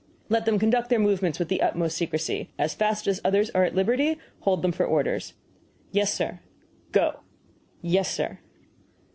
"Let them conduct their movements with the utmost secrecy. As fast as others are at liberty, hold them for orders." "Yes, sir." "Go!" "Yes, sir."